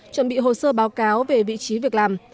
chuẩn bị hồ sơ báo cáo về vị trí việc làm